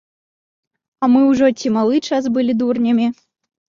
А мы ўжо ці малы час былі дурнямі?